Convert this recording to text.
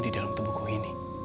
di dalam tubuhku ini